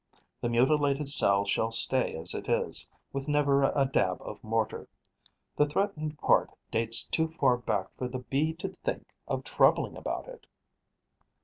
The mutilated cell shall stay as it is, with never a dab of mortar. The threatened part dates too far back for the Bee to think of troubling about it.